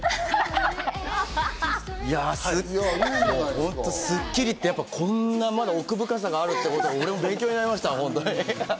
本当に『スッキリ』ってまだこんな奥深さがあるってこと、俺、勉強になりました。